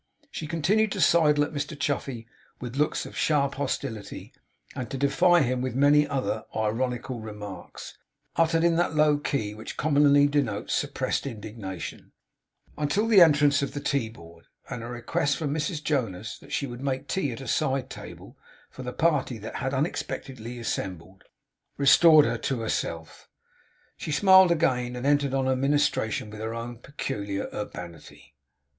She continued to sidle at Mr Chuffey with looks of sharp hostility, and to defy him with many other ironical remarks, uttered in that low key which commonly denotes suppressed indignation; until the entrance of the teaboard, and a request from Mrs Jonas that she would make tea at a side table for the party that had unexpectedly assembled, restored her to herself. She smiled again, and entered on her ministration with her own particular urbanity.